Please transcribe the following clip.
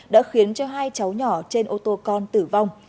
đã khiến cho hai cháu nhỏ trên ô tô con tử vong